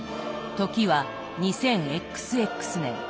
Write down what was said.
時は２０ＸＸ年。